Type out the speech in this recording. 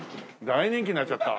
大人気になっちゃった。